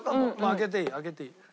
開けていい開けていい。